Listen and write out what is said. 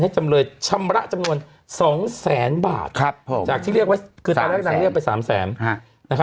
ให้จำเลยชำระจำนวน๒แสนบาทจากที่เรียกว่า๓แสน